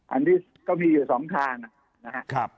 อันนี้ก็มีอยู่๒ทางนะครับ